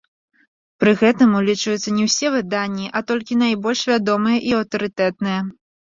Пры гэтым улічваюцца не ўсе выданні, а толькі найбольш вядомыя і аўтарытэтныя.